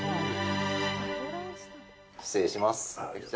失礼します。